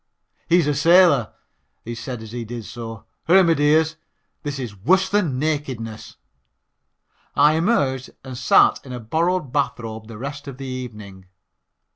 "He's a sailor," he said as he did so. "Hurry, my dears, this is worse than nakedness." I emerged and sat in a borrowed bathrobe the rest of the evening.